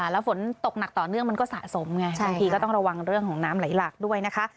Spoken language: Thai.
แล้วฝนตกหนักต่อเนื่องมันก็สะสมไงบางทีก็ต้องระวังเรื่องของน้ำไหลหลักด้วยนะคะ